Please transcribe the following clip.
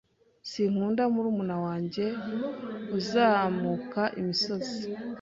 Sinkunda murumuna wanjye uzamuka imisozi.